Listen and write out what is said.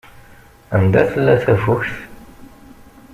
Anda tella tafukt?